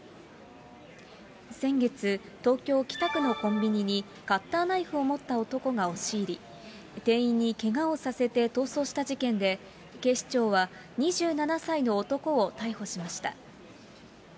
先月、東京・北区のコンビニに、カッターナイフを持った男が押し入り、店員にけがをさせて逃走した事件で、警視庁は、２７歳の男を逮捕しました。